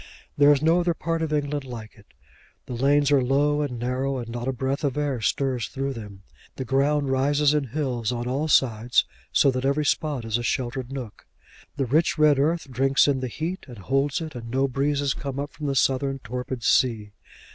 There is no other part of England like it. The lanes are low and narrow, and not a breath of air stirs through them. The ground rises in hills on all sides, so that every spot is a sheltered nook. The rich red earth drinks in the heat and holds it, and no breezes come up from the southern torpid sea.